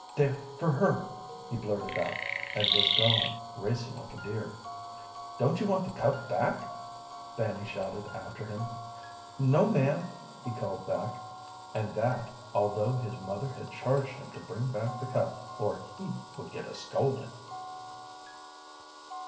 "They're for her!" he blurted out, and was gone, racing like a deer. "Don't you want the cup back?" Fanny shouted after him. "No, ma'am," he called back, and that, although his mother had charged him to bring back the cup or he would get a scolding.